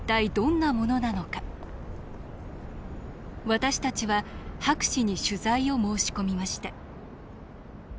私たちは博士に取材を申し込みました。